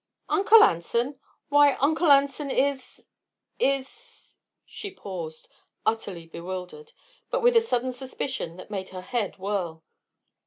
'" "Uncle Anson! Why, Uncle Anson is is " She paused, utterly bewildered, but with a sudden suspicion that made her head whirl.